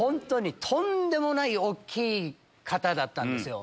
とんでもない大きい方だったんですよ。